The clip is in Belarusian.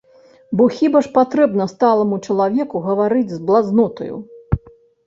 Бо хіба ж патрэбна сталаму чалавеку гаварыць з блазнотаю?!